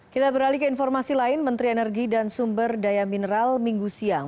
kita beralih ke informasi lain menteri energi dan sumber daya mineral minggu siang